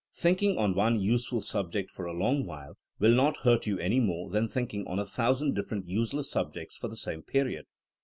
Thinking on one useful subject for a long while will not hurt you any more than thinking on a thousand different useless subjects for the same period.